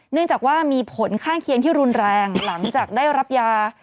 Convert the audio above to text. เนื่องจากว่ามีผลข้างเคียงที่รุนแรงหลังจากได้รับยา